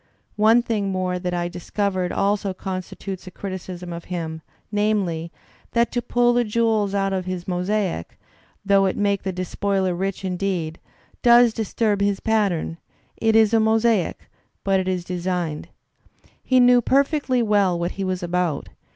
One thing more that I discovered also constitutes a criticism of him, namely, that to pull the jewels out of his mosaic, though it make the despoiler rich indeed, does disturb his pattern; it is a mosaic, but it is designed. He knew per fectly well what he was about.